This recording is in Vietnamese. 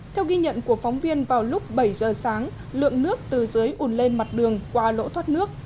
theo ghi nhận của phóng viên vào lúc bảy giờ sáng lượng nước từ dưới ủn lên mặt đường qua lỗ thoát nước